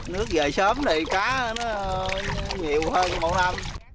nước về sớm thì cá nó nhiều hơn một năm